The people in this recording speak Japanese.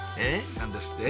何ですって？